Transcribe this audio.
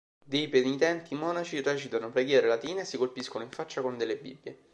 Dei penitenti monaci recitano preghiere latine e si colpiscono in faccia con delle bibbie.